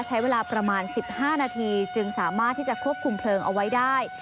ใช้เวลาประมาณ๑๕นาทีจึงสามารถที่จะควบคุมเพลิงเอาไว้ได้